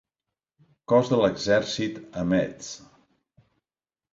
Cos de l'exèrcit a Metz.